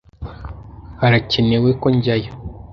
Harakenewe ko njyayo?